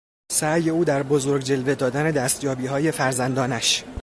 سعی او در بزرگ جلوه دادن دستیابیهای فرزندانش